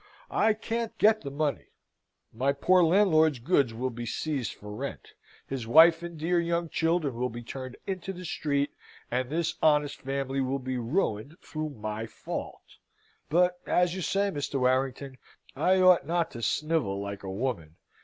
I can't get the money. My poor landlord's goods will be seized for rent; his wife and dear young children will be turned into the street; and this honest family will be ruined through my fault. But, as you say, Mr. Warrington, I ought not to snivel like a woman.